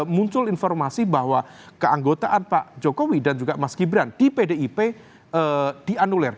muncul informasi bahwa keanggotaan pak jokowi dan juga mas gibran di pdip dianulir